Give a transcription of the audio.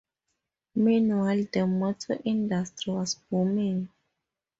Meanwhile the motor industry was booming.